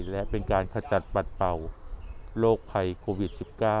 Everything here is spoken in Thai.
และเป็นการขจัดปัดเป่าโรคภัยโควิด๑๙